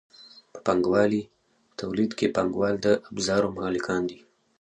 په پانګوالي تولید کې پانګوال د ابزارو مالکان دي.